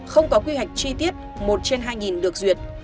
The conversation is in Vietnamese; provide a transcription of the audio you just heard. không có quy hoạch chi tiết một trên hai được duyệt